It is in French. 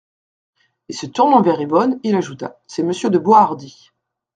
Et se tournant vers Yvonne, il ajouta : C'est Monsieur de Boishardy.